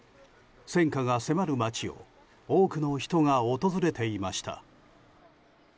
戦火が迫る街を多くの人が訪れていました。